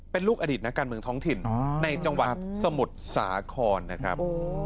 เป็นลูกอดีตนักการเมืองท้องถิ่นในจังหวัดสมุทรสาครนะครับ